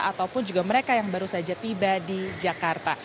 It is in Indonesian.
ataupun juga mereka yang baru saja tiba di jakarta